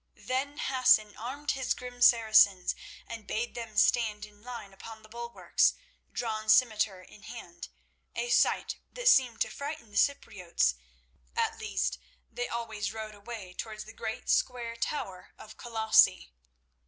Then Hassan armed his grim Saracens and bade them stand in line upon the bulwarks, drawn scimitar in hand, a sight that seemed to frighten the Cypriotes—at least they always rode away towards the great square tower of Colossi.